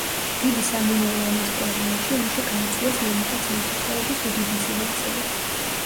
დიდი სამამულო ომის პერიოდში ომში გაიწვიეს მამაკაცი მოსახლეობის უდიდესი ნაწილი.